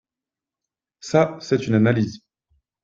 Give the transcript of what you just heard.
Ça, c’est une analyse